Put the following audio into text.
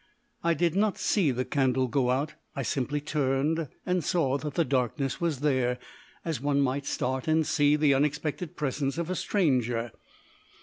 I did not see the candle go out; I simply turned and saw that the darkness was there, as one might start and see the unexpected presence of a stranger.